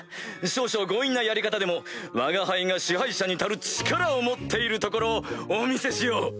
少々強引なやり方でもわが輩が支配者に足る力を持っているところをお見せしよう。